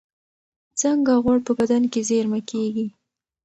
څنګه غوړ په بدن کې زېرمه کېږي؟